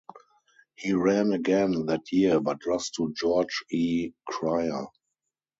He ran again that year but lost to George E. Cryer.